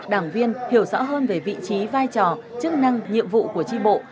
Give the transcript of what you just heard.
đảng viên hiểu rõ hơn về vị trí vai trò chức năng nhiệm vụ của tri bộ